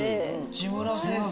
内村先生